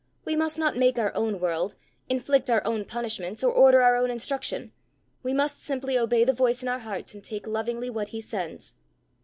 We must not make our own world, inflict our own punishments, or order our own instruction; we must simply obey the voice in our hearts, and take lovingly what he sends."